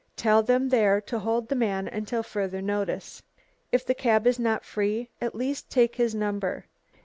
Tell them there to hold the man until further notice. If the cab is not free, at least take his number.